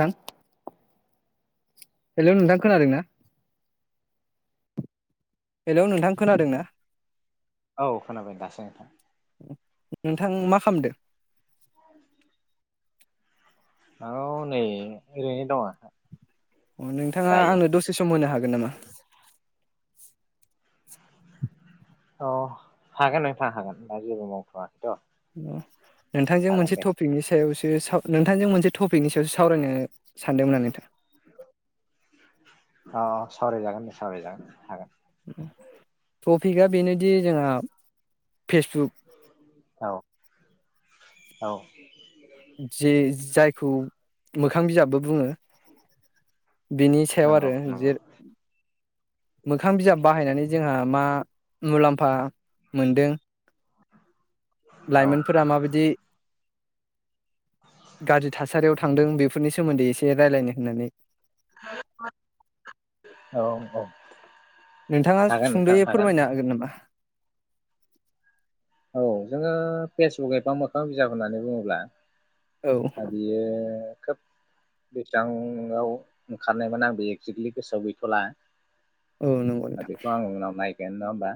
नोंथां हेलौ नोंथां खोनादोंना? हेलौ नोंथां खोनादों ना? औ खोनाबाय दासो नोंथां नोंथां मा खामदो? [inaudible] अ नै ओरैनो दङ। अ नोंथाङा दायो आंनो दसे सम होनो हाग गोन नामा? अ हागोन नोंथां हागोन दा जेबो मावथ'वाखैथ'। अ नोंथांजों हागोन मोनसे दे टपिकनि सायाव सो ओ समाव नोंथांजों मोनसे टपिकनि सायावसो सावरायनो सानदोंमोन आं नोंथां। अ सावराय जागोन दे सावराय जागोन हागोन। टपिकआ बेनोदि जोंहा फेसबुक औ औ। जे जायखौ मोखां बिजाबबो बुङो। बिनि सायाव नंगौ आरो नंगौ जिर मोखां बिजाब बाहायनानै जोंहा मा मुलाम्फा मोनदों औ लाइमोनफोरा माबायदि गाज्रि थासारियाव थांदों बेफोरनि सोमोन्दै एसे रायलायनो होननानै [unintelligible] औ औ नोंथाङा हागोन नोंथां सुंद'यै फोरमायनो हागोन नामा? औ जोङो फेसबुक एबा मोखां बिजाब होननानै बुङोब्ला औ दा बियो खोब बेसेबांआव ओंखारनायमोन आं बे एक्जेक्टलि गोसोआव गैथ'ला औ नंगौ नोंथां खेयानो नंङा होनबा?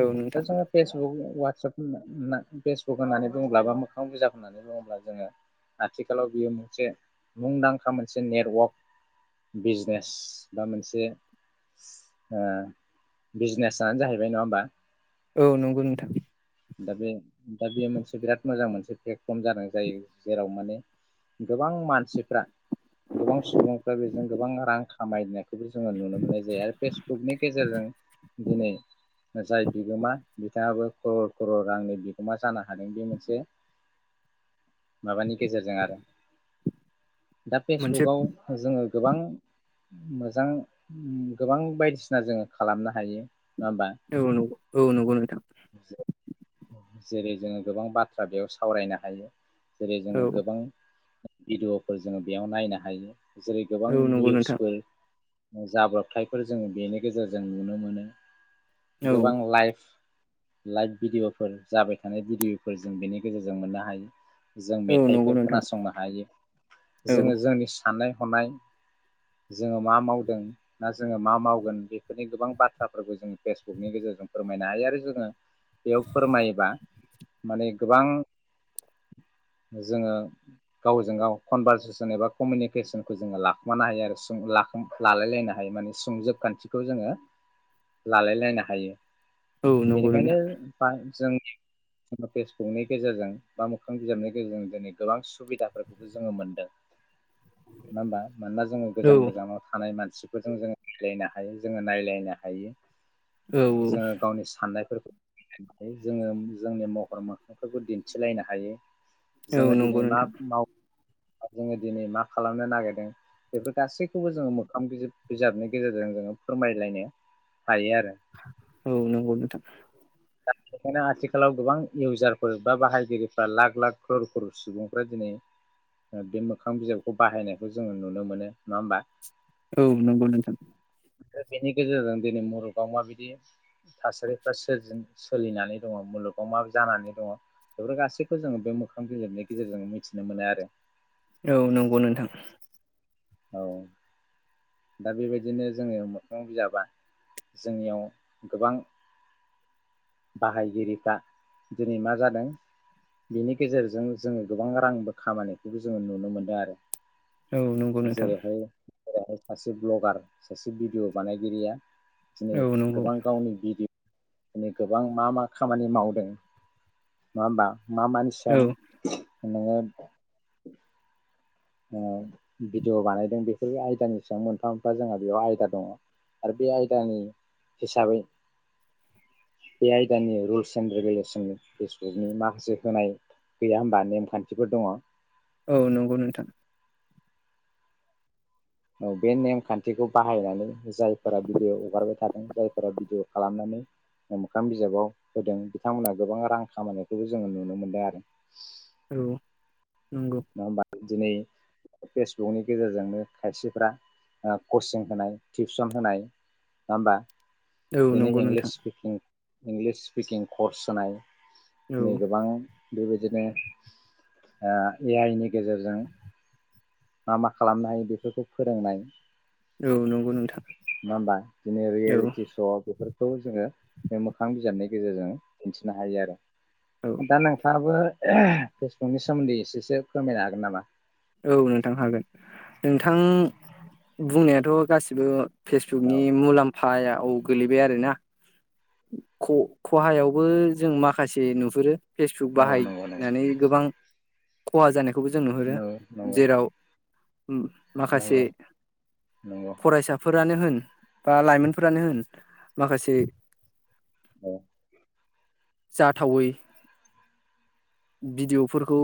औ नोंथां [unintelligible] फेसबुक वाटसाप होन फेसबुक होननानै बुङोब्ला बा मोखां बिजाब होननानै बुङोब्ला जोङो आथिखालाव बियो मोनसे मुंदांखा मोनसे नेटवर्क बिजनेस बा मोनसे ओ बिजनेसानो जाहैबाय नङा होमबा? औ नंगौ नोंथां। दा बे दा बेयो मोनसे बिराद मोजां मोनसे प्लेटफर्म जादों जायो जेराव माने गोबां मानसिफ्रा गोबां सुबुंफ्रा बेजों गोबां रां खामायनाय खौ जोङो नुनो मोननाय जायो आरो फेसबुकनि गेजेरजों दिनै जाय बिगोमा बिथाङाबो [unintelligible] खर'र रांनि बिगोमा जानो हादों बे मोनसे माबानि गेजेरजों आरो। दा मोनसे फेसबुकाव जोङो गोबां मोजां गोबां बायदिसिना जोङो खालामनो हायो। नङा होमबा औ नंगौ औ नंगौ नोंथां। जेरै जोङो गोबां बाथ्रा बेयाव सावरायनो हायो। जेरै औ जोङो गोबां भिडिअफोर जोङो बेयाव नायनो हायो। जेरै गोबां औ नंगौ नोंथां निउसफोर जाब्रबथायफोर जोङो बेनि गेजेरजों नुनो मोनो। औ गोबां लाइफ लाइफ भिडिअफोर जाबाय थानाय भिडिअफोर जों बेनि गेजेरजों मोननो हायो। जों औ नंगौ मेथाइफोर नोंथां खोनासंनो हायो औ जोङो जोंनि साननाय हनाय जोङो मा मावदों ना जोङो मा मावगोन बेफोरनि गोबां बाथ्राफोरखौ जोङो फेसबुकनि गेजेरजों फोरमायनो हायो आरो जोङो बेयाव फोरमायोबा माने गोबां जोङो गावजों गाव कनभारसेसन एबा कमिउनिकेसनखौ जोङो लाखुमानो हायो आरो लालायलायनो हायो माने सुंजोब खान्थिखौ जोङो लालाय लायनो हायो। औ नंगौ बेनिखायनो नोंथां। जों फेसबुकनि गेजेरजों बा मोखां बिजाबनि गेजेरजों दिनै गोबां सुबिदाफोरखौबो जोङो मोनदों। नङा होमबा? मानोना जोङो औ गोजान गोजानाव थानाय मानसि मानसिफोरजों जोङो रायज्लायनो हायो जोङो नायलायनो हायो। औ जोङो गावनि साननायफोरखौ जोङो जोंनि महर मोखांफोरखौ दिन्थिलायनो हायो। औ जोङो नंगौ दिनै मा नोंथां मावो जोङो दिनै मा खालामनो नागिरदों बेफोर गासैखौबो जोङो मोखां बिजाब बिजाबनि गेजेरजों जोङो फोरमायलायनो हायो आरो औ नंगौ नोंथां। दा बेखायनो आथिखालाव गोबां इउजारफोर बा बाहायगिरिफ्रा लाख लाख ख्रल-ख्ररल सुबुंफ्रा दिनै बे मोखां बिजाबखौ बाहायनायखौ जोङो नुनो मोनो नङा होमबा? औ नंगौ नोंथां। दा बेनि गेजेरजों दिनै मुलुगाव माबायदि थासारिफ्रा सोरजि सोलिनानै दङ मुलुगाव मा जानानै दङ बेफोर गासैखौबो जोङो बे मोखां बिजाबनि गेजेरजों मिथिनो मोनो आरो। औ नंगौ नोंथां। औ दा बेबायदिनो जोङो मोखां बिजाबा जोंनियाव गोबां बाहायगिरिफ्रा दिनै मा जादों बेनि गेजेरजों जोङो गोबां रांबो खामायनायखौबो जोङो नुनो मोनदों आरो। औ नंगौ नोंथां जेरैहाय जेरैहाय सासे भ्लगार सासे भिडिय' बानायगिरिया दिनै औ नंगौ गोबां गावनि भिडि माने गोबां मा मा खामानि मावदों नङा होमबा मा औ मानसियाम [inaudible] ओ भिडिअ' बानायदों बेफोर आयदानि सायाव मोनफा मोनफा जोंहा बेयाव आयदा दङ आरो बे आयदानि हिसाबै बे आयदानि रुल्स एन्ड रेगुलेसन फेसबुकनि माखासे होनाय गैया होमबा नेमखान्थिफोर दङ। औ नंगौ नोंथां औ बे नेमखान्थिखौ बाहायनानै जायफोरा भिडिय' हगारबाय थादों जायफोरा भिडिअ' खालामनानै मोखां बिजाबाव होदों बिथांमोनहा गोबां रां खामायानिखौबो जोङो नुनो मोनदों आरो। औ नंगौ नङा होमबा दिनै फेसबुकनि गेजेरजोंनो खायसेफ्रा ओ कचिं होनाय टिउसन होनाय नङा होमबा औ दिनै नंगौ इंलिस नोंथां स्पिकिं इंलिस स्पिकिं कर्स होनाय औ नै गोबां बेबायदिनो ओ ए आइ नि गेजेरजों मा मा खालामनो हायो बेफोरखौ फोरोंनाय नङा औ नंगौ नोंथां होमबा बिदि औ रियेलिटि स' बेफोर खौ जोङो बे मोखां बिजाबनि गेजेरजों दिन्थिनो हायो आरो औ दा नोंथाङाबो फेसबुकनि सोमोन्दै एसेसो फोरमायनो हागोन नामा? औ नोंथां हागोन नोंथां बुंनायाथ' गासिबो फेसबुक नि औ मुलाम्फायाव गोलैबाय आरोना ख' खहायावबो जों माखासे नुहुरो फेसबुक औ नंगौ नंगौ बाहायनानै गोबां खहा जानाय खौबो जों नुहुरो नंगौ जेराव माखासे नंगौ नंगौ नंगौ फरायसाफोर फोरानो होन बा लाइमोनफोरानो होन माखासे औ जाथावै भिडिय'फोरखौ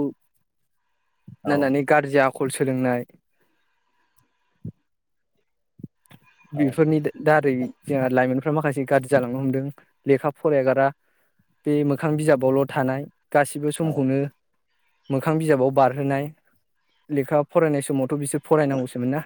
[unintelligible] [inaudible] सोलोंनाय औ बेफोरनि दारै जोंहा लाइमोन गथ'फ्रा माखासे गाज्रि जालांनो हमदों लेखा फरायागारा बे मोखां बिजाबावल' थानाय गासिबो औ समखौनो मोखां बिजाबाव बारहोनाय लेखा फरायनाय समाव थ बिसोर फरायनांगौसोमोन ना